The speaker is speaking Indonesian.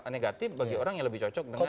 negatif bagi orang yang lebih cocok dengan